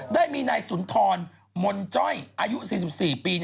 ได้มีนายสุนทรมนต์จ้อยอายุ๔๔ปี